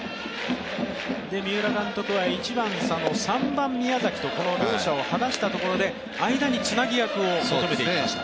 三浦監督は１番・佐野３番・宮崎とこの両者を離したところで間につなぎ役を求めていました。